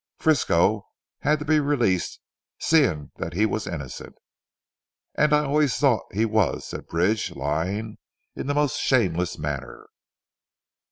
Frisco had to be released seeing that he was innocent. "And I always thought he was," said Bridge lying in the most shameless manner.